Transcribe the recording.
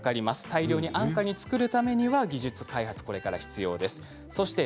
大量に安価に作るためには技術開発が必要です。